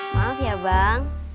maaf ya bang